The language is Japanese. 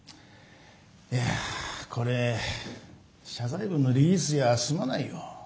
いやこれ謝罪文のリリースじゃ済まないよ。